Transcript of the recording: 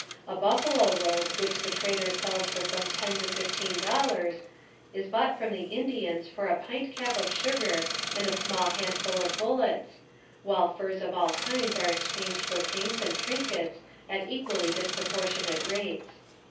A buffalo robe which the trader sells for from ten to fifteen dollars, is bought from the Indians for a pint cup of sugar and a small handful of bullets, while furs of all kinds are exchanged for paints and trinkets at equally disproportionate rates.